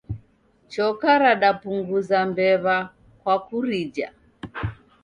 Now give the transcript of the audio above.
Choka radapunguza mbew'a kwa kurijha